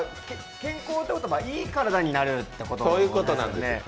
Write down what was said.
健康ということはいい体になれるということですよね。